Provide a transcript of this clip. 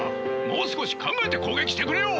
もう少し考えて攻撃してくれよ！